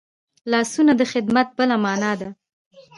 لاسونه د خدمت بله مانا ده